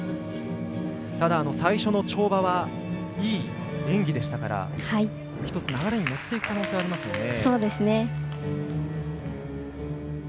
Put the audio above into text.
最初の跳馬はいい演技でしたから１つ流れに乗っていく可能性ありますよね。